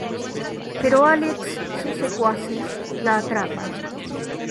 Pero Alex y sus secuaces la atrapan.